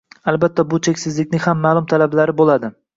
Albatta bu cheksizlikning ham maʼlum talablari boʻladi.